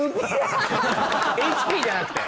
ＨＰじゃなくて。